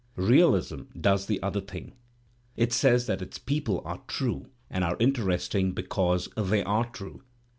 Realism does the other thing. It says that its people are true and are interesting because they are true.